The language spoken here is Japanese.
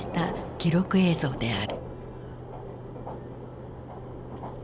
記録映像である。